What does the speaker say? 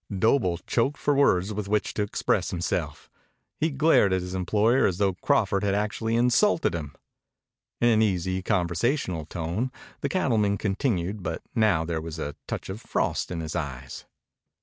Doble choked for words with which to express himself. He glared at his employer as though Crawford had actually insulted him. In an easy, conversational tone the cattleman continued, but now there was a touch of frost in his eyes.